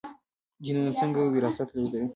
جینونه څنګه وراثت لیږدوي؟